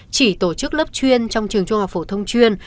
chỉ tổ chức lớp chuyên trong trường trung học phổ thông chuyên